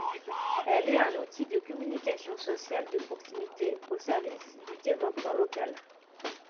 Elle est un outil de communication sociale de proximité au service du développement local.